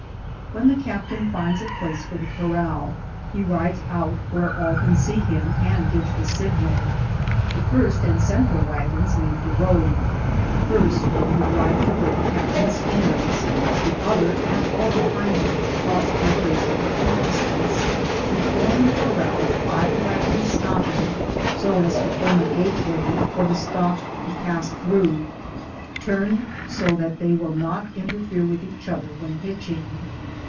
When the captain finds a place for the corral, he rides out where all can see him, and gives the signal, the first and central wagons leave the road; the first to drive to where the captain stands, the other and all behind it cross over a sufficient distance to form the corral by the wagons stopping, so as to form a gateway, for the stock to pass through, turned so that they will not inter fere with each other when hitching.